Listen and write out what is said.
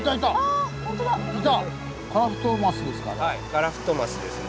カラフトマスですね。